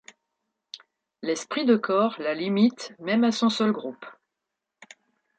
L'esprit de corps la limite même à son seul groupe.